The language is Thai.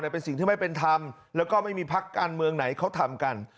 เป็นสิ่งที่ไม่เป็นธรรมแล้วก็ไม่มีพักการเมืองไหนเขาทำกัน